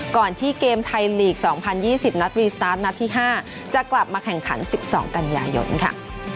ก่อนที่เกมไทยลีกสองพันยี่สิบนัดรีสตาร์ทนัดที่ห้าจะกลับมาแข่งขันสิบสองกันยายนค่ะ